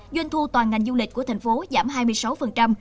doanh thu toàn ngành du lịch của tp hcm giảm hai mươi